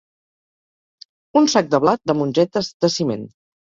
Un sac de blat, de mongetes, de ciment.